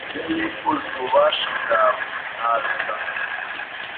Iyo nifuza ubufasha bwawe, nabisabye.